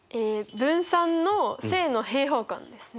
分散の正の平方根ですね。